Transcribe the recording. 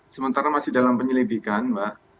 sementara masih dalam penyelidikan mbak